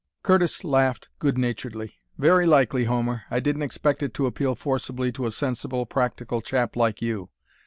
Curtis laughed good naturedly. "Very likely, Homer; I didn't expect it to appeal forcibly to a sensible, practical chap like you.